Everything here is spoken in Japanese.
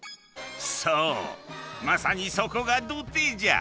そうまさにそこが土手じゃ。